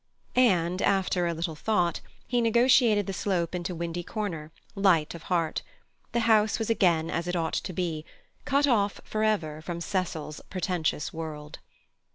And, after a little thought, he negotiated the slope into Windy Corner, light of heart. The house was again as it ought to be—cut off forever from Cecil's pretentious world.